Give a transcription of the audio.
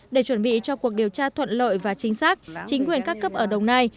để chuẩn bị cho cuộc điều tra thuận lợi và chính xác chính quyền các cấp ở đồng nai